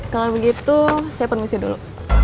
kalau begitu saya permisi dulu